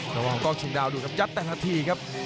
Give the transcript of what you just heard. กระวังกล้องชุดดาวดูครับยัดแต่ละทีครับ